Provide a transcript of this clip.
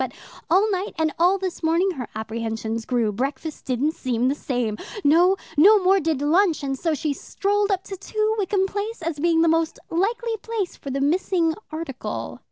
But all night, and all this morning her apprehensions grew. Breakfast didn't seem the same no, no more did lunch, and so she strolled up to 2, Wickham Place as being the most likely place for the missing article."